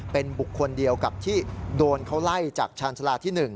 เป็นบุคคลเดียวกับที่โดนเขาไล่จากชาญชาลาที่๑